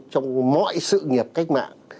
trong mọi sự nghiệp cách mạng